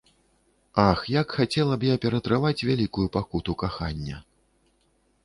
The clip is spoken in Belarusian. Ах, як хацела б я ператрываць вялікую пакуту кахання!